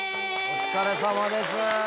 お疲れさまです。